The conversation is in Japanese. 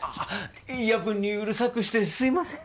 夜分にうるさくしてすいません。